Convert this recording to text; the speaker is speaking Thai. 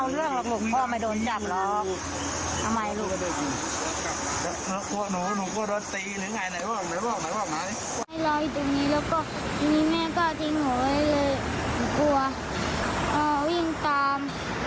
แล้วก็ทีนี้แม่ก็ทิ้งหัวไว้เลยไม่กลัววิ่งตาม